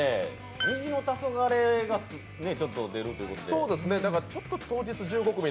虹の黄昏が出るということで。